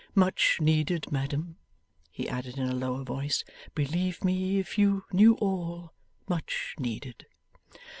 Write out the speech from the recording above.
Much needed, madam,' he added, in a lower voice. 'Believe me; if you knew all, much needed.